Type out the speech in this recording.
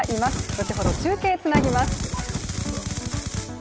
後ほど中継つなぎます。